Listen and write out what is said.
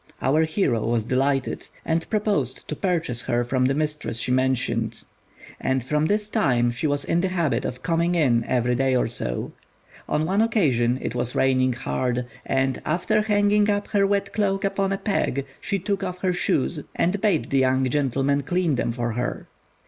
Our hero was delighted, and proposed to purchase her from the mistress she mentioned; and from this time she was in the habit of coming in every other day or so. On one occasion it was raining hard, and, after hanging up her wet cloak upon a peg, she took off her shoes, and bade the young gentleman clean them for her.